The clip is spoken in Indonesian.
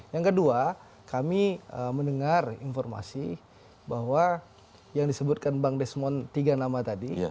yang kedua kami mendengar informasi bahwa yang disebutkan bang desmond tiga nama tadi